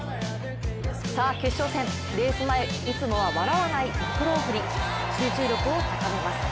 さあ決勝戦、レース前いつも笑わないマクローフリン集中力を高めます。